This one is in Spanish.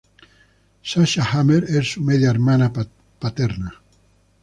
Sasha Hammer es su media hermana paterna.